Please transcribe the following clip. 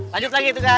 lanjut lagi tugas